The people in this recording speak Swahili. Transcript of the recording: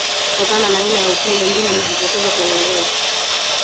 Kutokana na aina ya upele ndundu hujitokeza kwenye ngozi